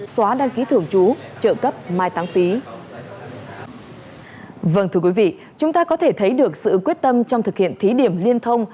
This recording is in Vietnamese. vâng thưa quý vị chúng ta có thể thấy được sự quyết tâm trong thực hiện thí điểm liên thông